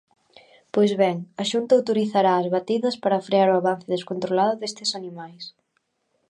Pois ben, a Xunta autorizará as batidas para frear o avance descontrolado destes animais.